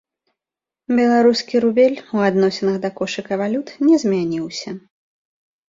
Беларускі рубель у адносінах да кошыка валют не змяніўся.